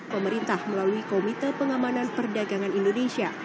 pemerintah melalui komite pengamanan perdagangan indonesia